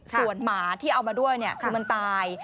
ส่วนหมาที่เอามาด้วยคือมันตาย